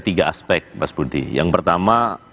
tiga aspek mas budi yang pertama